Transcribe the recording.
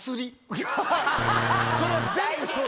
それは全部そう。